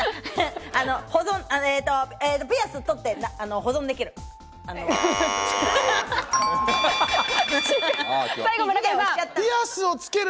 ピアス取って保存できる。